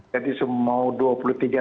jadi semua dua puluh tiga